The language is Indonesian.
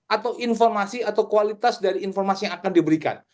atau informasi atau kualitas dari informasi yang akan diberikan